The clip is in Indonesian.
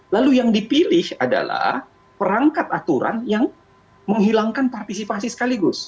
lalu yang dipilih adalah perangkat aturan yang menghilangkan partisipasi sekaligus